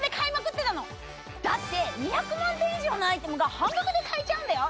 だって２００万点以上のアイテムが半額で買えちゃうんだよ！